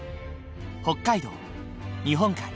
北海道日本海